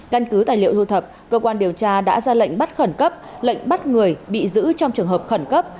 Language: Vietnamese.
căn cứ tài liệu lưu thập cơ quan điều tra đã ra lệnh bắt khẩn cấp lệnh bắt người bị giữ trong trường hợp khẩn cấp